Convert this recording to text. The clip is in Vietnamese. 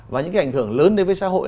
và những cái ảnh hưởng lớn đến với xã hội